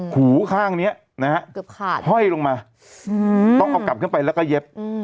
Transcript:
หูข้างนี้นะฮะเกือบขาดห้อยลงมาต้องเอากลับขึ้นไปแล้วก็เย็บ